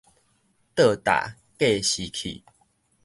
倒踏計時器